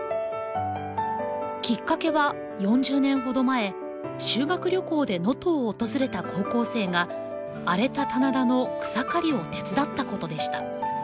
きっかけは４０年ほど前修学旅行で能登を訪れた高校生が荒れた棚田の草刈りを手伝ったことでした。